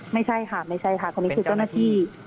ไม่ใช่ครับนี่คือเจ้าหน้าที่